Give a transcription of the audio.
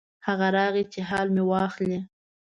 هغه راغی چې حال مې واخلي.